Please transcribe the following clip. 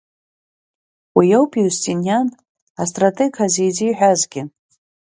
Уи ауп Иустиниан астратег ҳәа зизиҳәазгьы.